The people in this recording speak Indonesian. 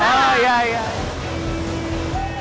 saya mengatakan dia babklah